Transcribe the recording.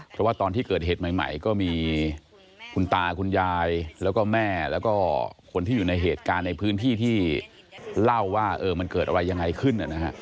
เพราะว่าตอนที่เกิดเหตุใหม่ก็มีคุณตาคุณยายแล้วก็แม่แล้วก็คนที่อยู่ในเหตุการณ์ในพื้นที่ที่เล่าว่ามันเกิดอะไรยังไงขึ้น